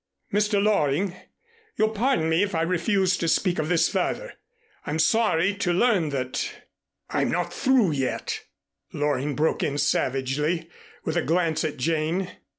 "Mr. Loring, you'll pardon me if I refuse to speak of this further. I'm sorry to learn that " "I'm not through yet," Loring broke in savagely, with a glance at Jane.